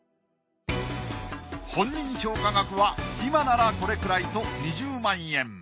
本人評価額は今ならこれくらいと２０万円。